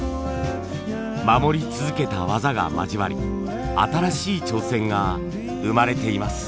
守り続けた技が交わり新しい挑戦が生まれています。